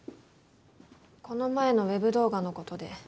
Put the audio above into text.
この前のＷＥＢ動画のことで。